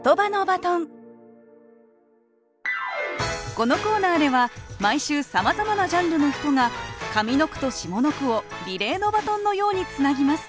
このコーナーでは毎週さまざまなジャンルの人が上の句と下の句をリレーのバトンのようにつなぎます。